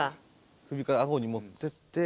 首からあごに持っていって。